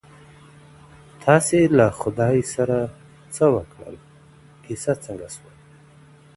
تاسي له خدایه سره څه وکړل؟ کیسه څنګه سوه؟